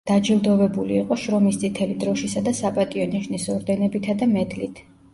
დაჯილდოვებული იყო შრომის წითელი დროშისა და „საპატიო ნიშნის“ ორდენებითა და მედლით.